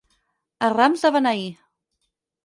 A rams de beneir.